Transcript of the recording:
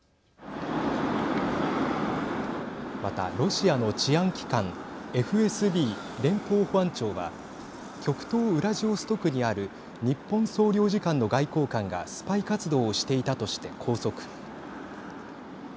また、ロシアの治安機関ＦＳＢ＝連邦保安庁は極東ウラジオストクにある日本総領事館の外交官がスパイ活動をしていたとして拘束。